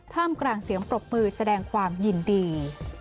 กลางเสียงปรบมือแสดงความยินดี